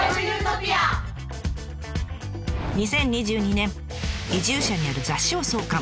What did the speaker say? ２０２２年移住者による雑誌を創刊。